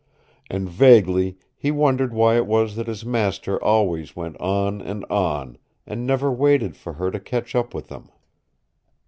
And vaguely he wondered why it was that his master always went on and on, and never waited for her to catch up with them.